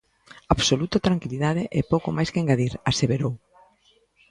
"Absoluta tranquilidade e pouco máis que engadir", aseverou.